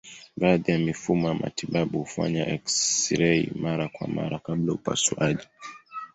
Baadhi ya mifumo ya matibabu hufanya eksirei mara kwa mara kabla ya upasuaji.